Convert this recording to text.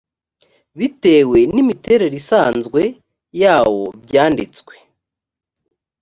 bitewe n imiterere isanzwe yawo byanditswe